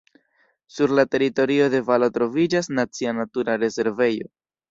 Sur la teritorio de valo troviĝas nacia natura rezervejo.